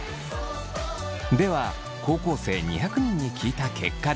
では高校生２００人に聞いた結果です。